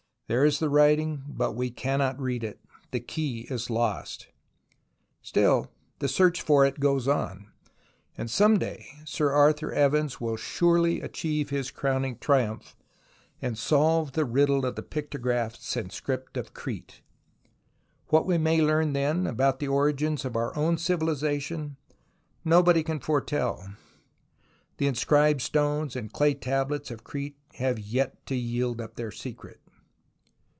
There is the writing, but we cannot read it. The key is lost. Still the search for it goes on, and some day Sir Arthur Evans will surely achieve his crowning triumph and solve the riddle of the pictographs and script of Crete. What we may learn then about the origins of our own civilization, nobody can foretell. The inscribed stones and clay tablets of Crete have yet to yield up their secret.